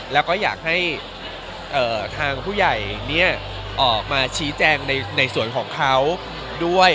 แล้วก็อยากให้ทางผู้ใหญ่ออกมาชี้แจงในส่วนของเขาด้วย